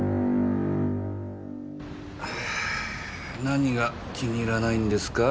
何が気に入らないんですか？